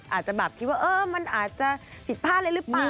อาจจะแบบคิดว่าเออมันอาจจะผิดพลาดเลยหรือเปล่า